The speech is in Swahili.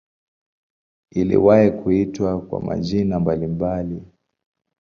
Iliwahi kuitwa kwa majina mbalimbali.